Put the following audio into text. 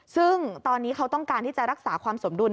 ซึ่งตอนนี้เขาต้องการที่จะรักษาความสมดุล